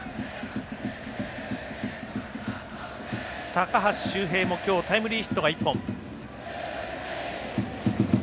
高橋周平も今日タイムリーヒットが１本。